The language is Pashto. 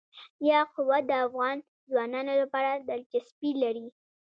یاقوت د افغان ځوانانو لپاره دلچسپي لري.